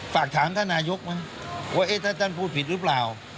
ฝากถามท่านนายกไหมว่าถ้าท่านพูดผิดหรือเปล่า